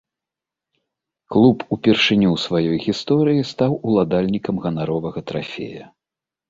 Клуб упершыню ў сваёй гісторыі стаў уладальнікам ганаровага трафея.